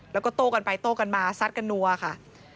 แล้วก็โต้กันไปโต้กันมาซัดกันนัวค่ะ